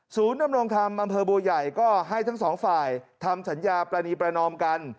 ศูนย์นำรงค์ธรรมอำเภอโบยัยก็ให้ทั้ง๒ฝ่ายทำสัญญาปรณีประนอมกัน